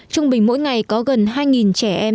trung bình mỗi ngày có gần hai trẻ em